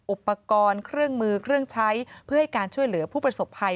อุปกรณ์เครื่องมือเครื่องใช้เพื่อให้การช่วยเหลือผู้ประสบภัย